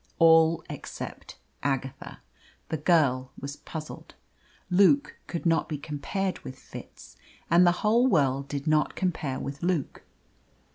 All except Agatha. The girl was puzzled. Luke could not be compared with Fitz, and the whole world did not compare with Luke.